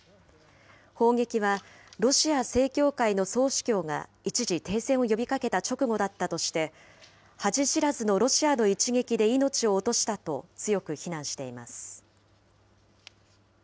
砲撃はロシア正教会の総主教が一時停戦を呼びかけた直後だったとして、恥知らずのロシアの一撃で命を落としたと強く非難しています。